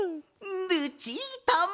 ルチータも！